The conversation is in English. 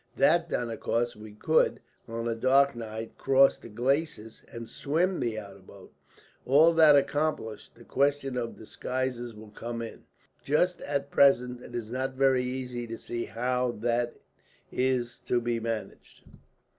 That done, of course we could, on a dark night, cross the glacis and swim the outer moat. All that accomplished, the question of disguises will come in. Just at present it is not very easy to see how that is to be managed.